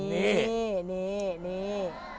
นี่นี่นี่